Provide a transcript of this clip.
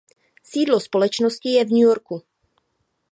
Sídlo společnosti je v New Yorku.